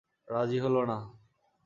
রাজি হলো না।